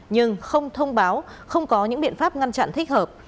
nhưng không thông báo không có những biện pháp ngăn chặn thích hợp